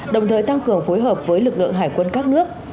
đồng thời tăng cường phối hợp với lực lượng hải quân các nước